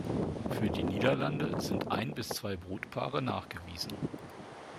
Für die Niederlande sind ein bis zwei Brutpaare nachgewiesen.